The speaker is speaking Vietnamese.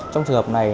trong trường hợp này